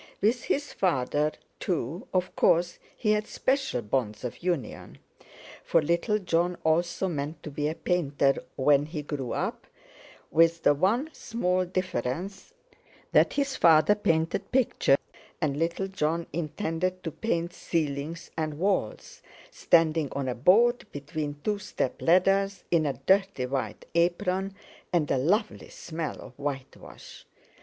With his father, too, of course, he had special bonds of union; for little Jon also meant to be a painter when he grew up—with the one small difference, that his father painted pictures, and little Jon intended to paint ceilings and walls, standing on a board between two step ladders, in a dirty white apron, and a lovely smell of whitewash.